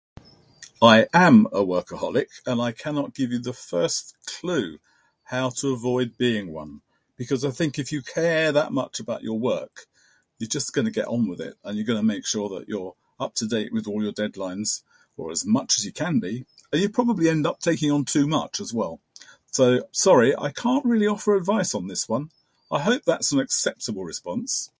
I am a workaholic. I cannot first you the first clue how to avoid being one. Because I think if you care that much about your work, you're just gonna get on with it and you're gonna make sure that you're up to date with all your deadlines, or as much as you can be. And you'll probably end up taking on too much, as well. So, sorry, I can't really offer advice on this one. I hope that's an acceptable response.